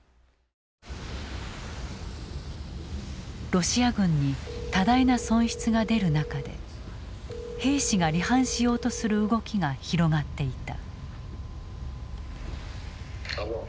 ロシア軍に多大な損失が出る中で兵士が離反しようとする動きが広がっていた。